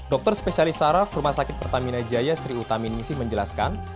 dokter spesialis sarah firmasakit pertamina jaya sri utaminisi menjelaskan